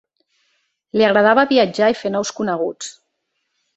Li agradava viatjar i fer nous coneguts.